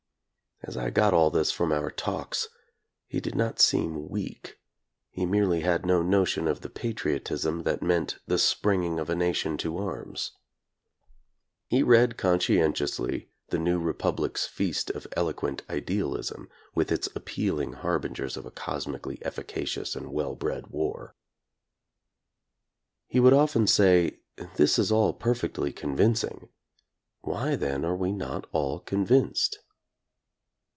As I got all this from our talks, he did not seem weak. He merely had no notion of the patriotism that meant the springing of a nation to arms. He read conscientiously The New Republic's feast of eloquent idealism, with its ap pealing harbingers of a cosmically efficacious and well bred war. He would often say, This is all perfectly convincing; why, then, are we not all convinced'?